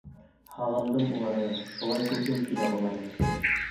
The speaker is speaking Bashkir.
Һағындым уларҙы, шундай күргем килә уларҙы.